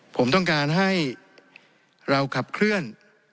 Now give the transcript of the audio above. ผมต้องการให้เราขับเคลื่อน